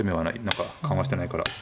何か緩和してないから。